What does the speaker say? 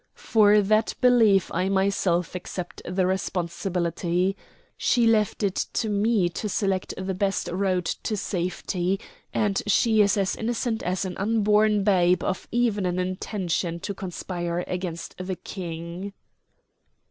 For that belief I myself accept the responsibility. She left it to me to select the best road to safety, and she is as innocent as any unborn babe of even an intention to conspire against the King."